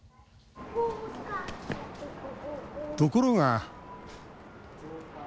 ところが。